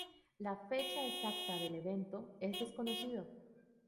La fecha exacta del evento es desconocido.